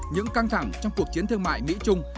những căng thẳng trong cuộc chiến thương mại mỹ trung